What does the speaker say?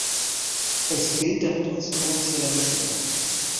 Es gilt damit als kommerzieller Misserfolg.